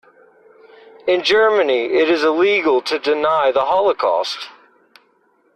In Germany it is illegal to deny the holocaust.